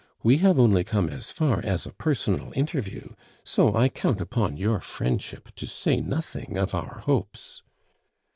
We have only come as far as a personal interview; so I count upon your friendship to say nothing of our hopes."